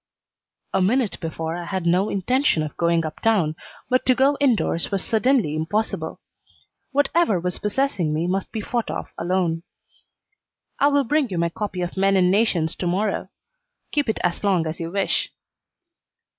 A minute before I had no intention of going up town, but to go indoors was suddenly impossible. Whatever was possessing me must be fought off alone. "I will bring you my copy of Men and Nations to morrow. Keep it as long as you wish."